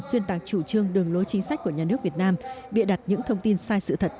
xuyên tạc chủ trương đường lối chính sách của nhà nước việt nam bịa đặt những thông tin sai sự thật